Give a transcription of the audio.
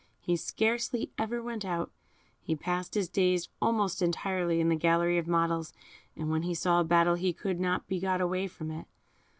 He scarcely ever went out; he passed his days almost entirely in the gallery of models, and when he saw a battle he could not be got away from it.